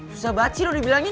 susah banget sih lo dibilangin